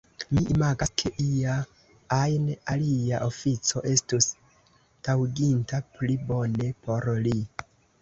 Mi imagas, ke ia ajn alia ofico estus taŭginta pli bone por li.